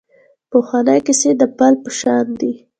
پخوانۍ کیسې د پل په شان دي .